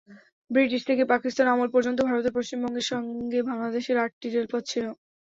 British থেকে পাকিস্তান আমল পর্যন্ত ভারতের পশ্চিমবঙ্গের সঙ্গে বাংলাদেশের আটটি রেলপথ ছিল।